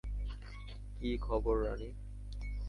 কী খবর, রাণি?